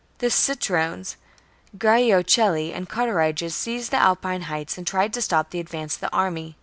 ^ The Ceutrones, Graioceli, and Caturiges seized the Alpine heights and tried to stop the advance of the army.